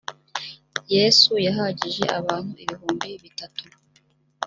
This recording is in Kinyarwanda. yesu yahagije abantu ibihumbi bitanu .